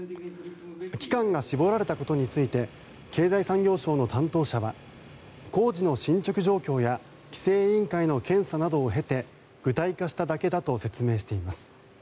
期間が絞られたことについて経済産業省の担当者は工事の進ちょく状況や規制委員会の検査などを経て具体化しただけだと説明しています。